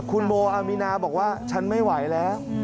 คุณโมอามีนาบอกว่าฉันไม่ไหวแล้ว